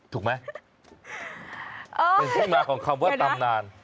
ถูกไหมเป็นที่มาของคำว่าตำนาน